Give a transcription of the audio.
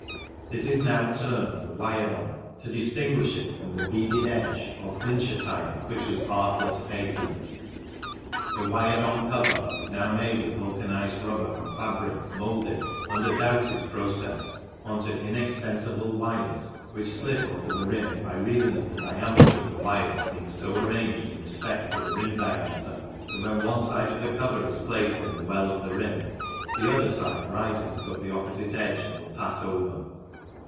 This is now termed the " wired on " to distinguish FIG. 18 A " TRIUMPH " ROADSTER BICYCLE WITH OIL BATH GEAR CASE it from the " beaded edge " or Clincher tyre which was Bartlett's patent. The " wired on " cover is now made of vulcanized rubber and fabric moulded, under Doughty 's process, on to inextensible wires which slip over the rim by reason of the diameter of the wires being so arranged in respect to the rim diameter that when one side of the cover is placed in the well of the rim the other side rises above the opposite edge and will pass over.